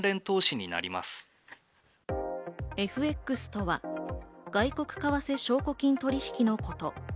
ＦＸとは外国為替証拠金取引のこと。